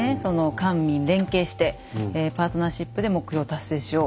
官民連携して「パートナーシップで目標を達成しよう」。